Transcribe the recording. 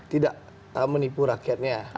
tidak menipu rakyatnya